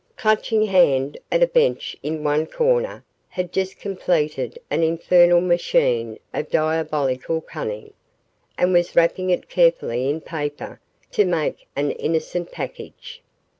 Clutching Hand, at a bench in one corner, had just completed an infernal machine of diabolical cunning, and was wrapping it carefully in paper to make an innocent package.